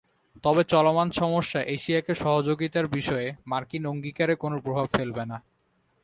তবে চলমান সমস্যা এশিয়াকে সহযোগিতার বিষয়ে মার্কিন অঙ্গীকারে কোনো প্রভাব ফেলবে না।